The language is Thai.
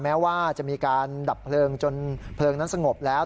แม้ว่าจะมีการดับเพลิงจนเพลิงนั้นสงบแล้ว